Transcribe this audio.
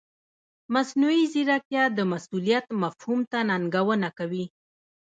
مصنوعي ځیرکتیا د مسؤلیت مفهوم ته ننګونه کوي.